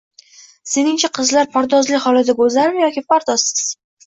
Seningcha qizlar pardozli holida go‘zalmi yoki pardozsiz?